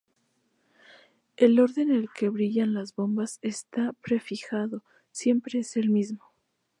El orden en que brillan las bombas está prefijado, siempre es el mismo.